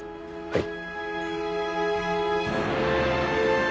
はい。